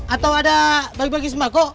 atau ada bagi bagi sembako